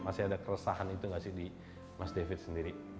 masih ada keresahan itu nggak sih di mas david sendiri